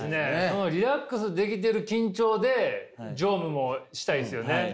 そのリラックスできてる緊張で乗務もしたいですよね。